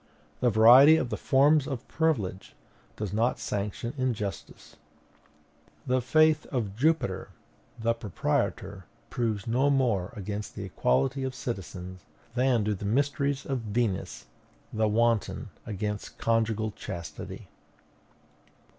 The variety of the forms of privilege does not sanction injustice. The faith of Jupiter, the proprietor, proves no more against the equality of citizens, than do the mysteries of Venus, the wanton, against conjugal chastity.